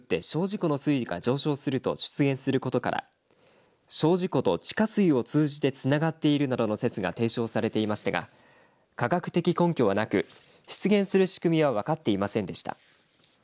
湖の水位が上昇すると出現することから精進湖と地下水を通じてつながっているなどの説が提唱されていましたが科学的根拠はなく出現する仕組みは分かっていませんでした。